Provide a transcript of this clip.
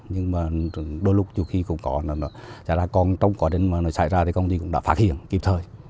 nhưng mà đôi lúc dù khi cũng có chả là còn trong quá trình mà nó xảy ra thì công ty cũng đã phát hiện kịp thời